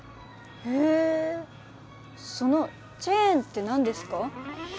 へえそのチェーンって何ですか？